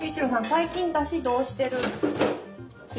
最近だしどうしてる？だし？